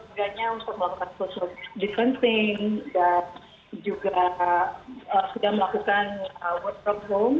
sebenarnya untuk melakukan social distancing dan juga sudah melakukan work from home